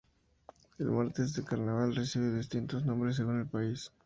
El Martes de Carnaval recibe distintos nombres según el país.